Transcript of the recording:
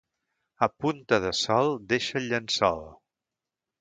A punta de sol, deixa el llençol.